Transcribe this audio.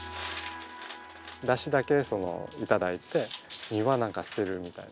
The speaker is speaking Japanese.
出汁だけ頂いて身はなんか捨てるみたいな。